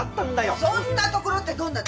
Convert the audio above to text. そんなところってどんなところよ？